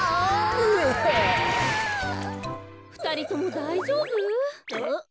ふたりともだいじょうぶ？